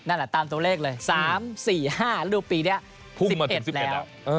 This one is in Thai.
นั่นแหละตามตัวเลขเลย๓๔๕รูปปีนี้๑๑แล้ว